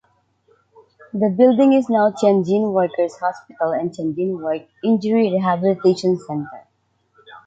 The building is now Tianjin Workers' Hospital and Tianjin Work Injury Rehabilitation Center.